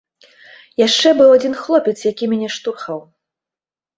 Яшчэ быў адзін хлопец, які мяне штурхаў.